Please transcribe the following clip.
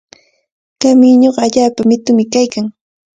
Kamiñuqa allaapa mitumi kaykan.